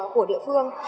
của địa phương